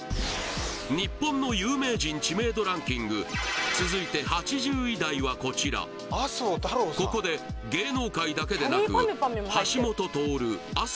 日本の有名人知名度ランキング続いて８０位台はこちらここで芸能界だけでなく橋下徹麻生